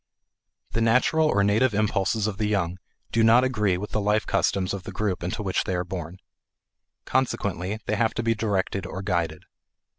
The natural or native impulses of the young do not agree with the life customs of the group into which they are born. Consequently they have to be directed or guided.